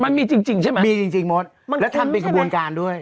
มันมีจริงใช่ไหมมีจริงมดแล้วทำเป็นขบวนการด้วย